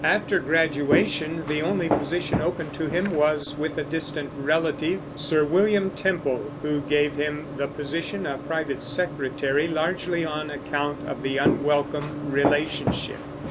After graduation the only position open to him was with a distant relative, Sir William Temple, who gave him the position of private secretary largely on account of the unwelcome relationship.